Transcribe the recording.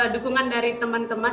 dukungan dari teman teman